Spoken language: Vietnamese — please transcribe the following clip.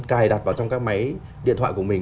cài đặt vào trong các máy điện thoại của mình